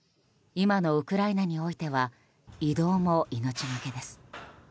今のウクライナにおいては移動も命がけです。